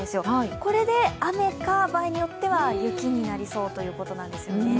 これで雨か、場合によっては雪になりそうということなんですよね。